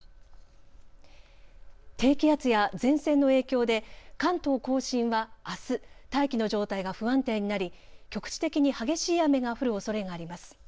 低気圧や前線の影響で関東甲信はあす、大気の状態が不安定になり局地的に激しい雨が降るおそれがあります。